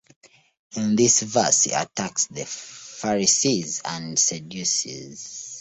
In this verse he attacks the Pharisees and Sadducees.